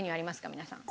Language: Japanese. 皆さん。